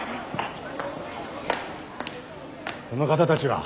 この方たちは？